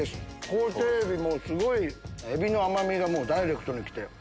皇帝海老もすごいエビの甘みがダイレクトに来て。